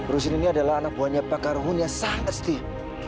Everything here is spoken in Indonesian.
rufin ini adalah anak buahnya pak karuhun yang sangat setia